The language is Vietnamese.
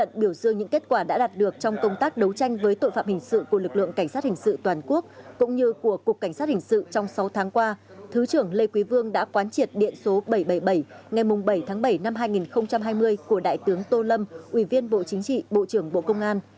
nhận biểu dương những kết quả đã đạt được trong công tác đấu tranh với tội phạm hình sự của lực lượng cảnh sát hình sự toàn quốc cũng như của cục cảnh sát hình sự trong sáu tháng qua thứ trưởng lê quý vương đã quán triệt điện số bảy trăm bảy mươi bảy ngày bảy tháng bảy năm hai nghìn hai mươi của đại tướng tô lâm ủy viên bộ chính trị bộ trưởng bộ công an